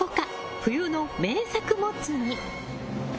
冬の名作モツ煮。